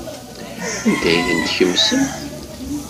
Anda ay ten-tkemsemt?